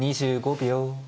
２５秒。